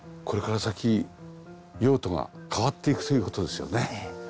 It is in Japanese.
これから先用途が変わっていくという事ですよね。